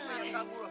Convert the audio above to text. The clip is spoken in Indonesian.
cik mahmud ini apa